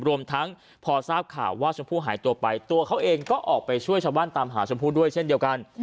รวมทั้งพอทราบข่าวว่าชมพู่หายตัวไปตัวเขาเองก็ออกไปช่วยชาวบ้านตามหาชมพู่ด้วยเช่นเดียวกัน